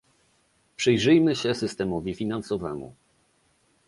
Przyjrzyjmy się systemowi finansowemu